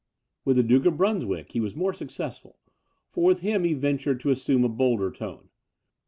With the Duke of Brunswick he was more successful, for with him he ventured to assume a bolder tone.